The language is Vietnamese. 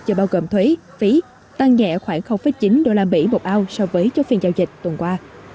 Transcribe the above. giờ bao gồm thuế phí tăng nhẹ khoảng chín đô la mỹ một ao so với chống phiên giao dịch tuần qua